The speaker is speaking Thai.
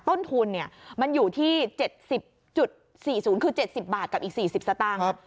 ต้นทุนเนี่ยมันอยู่ที่เจ็ดสิบจุดสี่ศูนย์คือเจ็ดสิบบาทกับอีกสี่สิบสตางค์ครับ